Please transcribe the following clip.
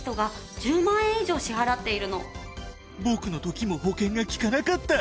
僕の時も保険が利かなかった！